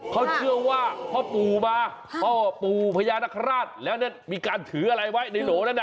พ่อทรงพิธีพายาพระชาติก็กลับมาแล้วจะถือแบบในโหนโหด